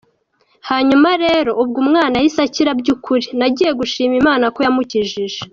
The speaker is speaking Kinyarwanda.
Hanyuma rero ubwo umwana yahise akira by’ukuri, nagiye gushima Imana ko yamukijije.